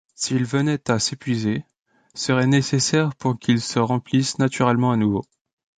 S'il venait à s'épuiser, seraient nécessaires pour qu'il se remplisse naturellement à nouveau.